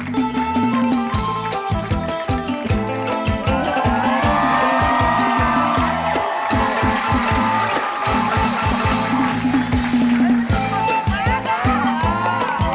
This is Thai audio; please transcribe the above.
พร้อมเลยครับโชว์มหาสนุกจากปริศนามหาสนุก๑